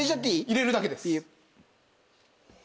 入れるだけです。